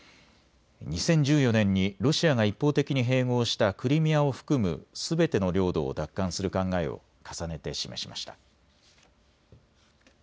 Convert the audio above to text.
２０１４年にロシアが一方的に併合したクリミアを含むすべての領土を奪還する考えを重ねて示しました。